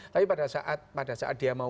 tapi pada saat dia mau